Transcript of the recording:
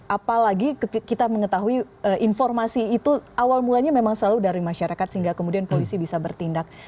apalagi kita mengetahui informasi itu awal mulanya memang selalu dari masyarakat sehingga kemudian polisi bisa bertindak